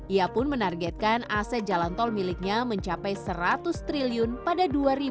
ia pun menargetkan aset jalan tol miliknya mencapai rp seratus triliun pada dua ribu dua puluh